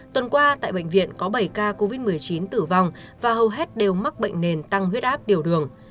tuần qua tại bệnh viện có bảy ca covid một mươi chín tử vong và hầu hết đều mắc bệnh nền tăng huyết áp tiểu đường